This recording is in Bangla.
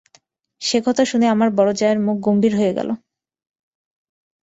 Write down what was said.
সে কথা শুনে আমার বড়ো জায়ের মুখ গম্ভীর হয়ে গেল।